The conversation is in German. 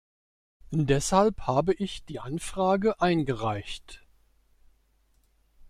Deshalb habe ich die Anfrage eingereicht.